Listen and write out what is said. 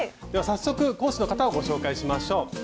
では早速講師の方をご紹介しましょう。